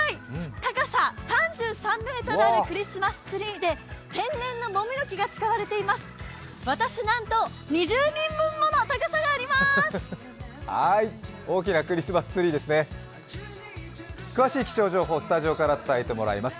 高さ３３ｍあるクリスマスツリーで天然のもみの木が使われています。